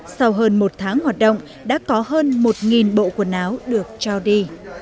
sau hơn một tháng hoạt động đã có hơn một bộ quần áo được trao đi